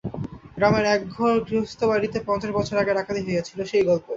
গ্রামের একঘর গৃহস্থবাড়ীতে পঞ্চাশ বছর আগে ডাকাতি হইয়াছিল, সেই গল্প।